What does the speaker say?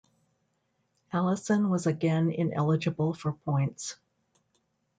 Allison was again ineligible for points.